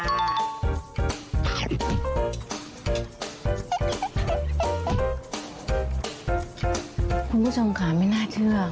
คุณผู้ชมค่ะไม่น่าเชื่อ